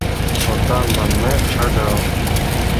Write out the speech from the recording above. — Шотан манме шагал.